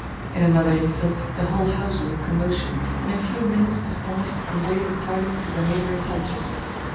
In another instant the whole house was in commotion, and a few minutes sufficed to convey the tidings to the neighbouring cottages.